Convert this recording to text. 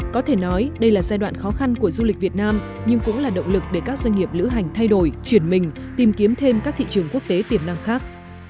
có thể nói đây là giai đoạn khó khăn của du lịch việt nam nhưng cũng là động lực để các doanh nghiệp lữ hành thay đổi chuyển mình tìm kiếm thêm các thị trường quốc tế tiềm năng khác